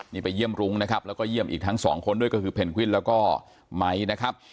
นี่ไปเยี่ยมรุ้งนะครับแล้วก็เยี่ยมอีกทั้งสองคนด้วยก็คือเพนกวินแล้วก็ไม้นะครับ